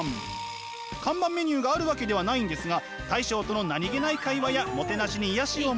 看板メニューがあるわけではないんですが大将との何気ない会話やもてなしに癒やしを求め